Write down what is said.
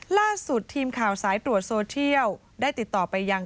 ล่าสุดทีมข่าวสายตรวจโซเทียลได้ติดต่อไปยัง